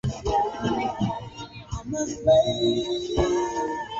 Rwanda inasisitizwa kwamba jamhuri ya kidemokrasia ya Kongo na Rwanda zina mbinu